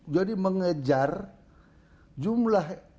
jadi mengejar jumlah